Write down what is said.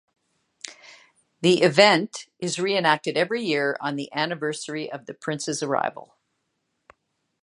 The event is re-enacted every year on the anniversary of the Prince's arrival.